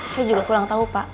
saya juga kurang tahu pak